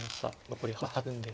残り８分です。